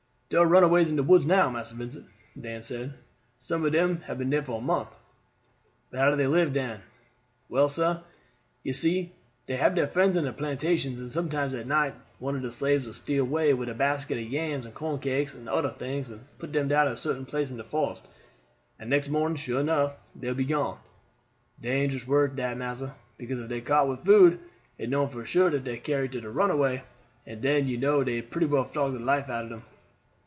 "Dar are runaways in de woods now, Massa Vincent," Dan said; "some ob dem hab been dar for month." "But how do they live, Dan?" "Well, sah, you see dey hab friends on de plantations, and sometimes at night one of de slaves will steal away wid a basket ob yams and corn cakes and oder things and put dem down in a certain place in de forest, and next morning, sure enough, dey will be gone. Dangerous work dat, massa; because if dey caught with food, it known for sure dat dey carry it to runaway, and den you know dey pretty well flog the life out of dem."